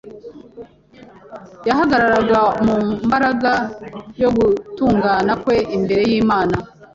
Yahagararaga mu mbaraga yo gutungana kwe imbere y’Imana